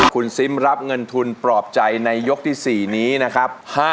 คุณซิมรับเงินทุนปลอบใจในยกที่๔นี้นะครับ